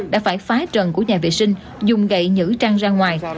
đã phải phái trần của nhà vệ sinh dùng gậy nhữ trăn ra ngoài